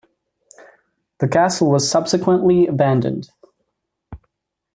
The castle was subsequently abandoned.